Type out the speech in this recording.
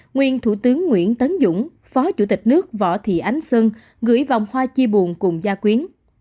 nguyên thủ tướng nguyễn tấn dũng phó chủ tịch nước võ thị ánh xuân gửi vòng hoa chia buồn cùng gia quyến